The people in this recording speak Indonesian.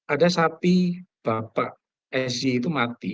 ada sapi bapak sy itu mati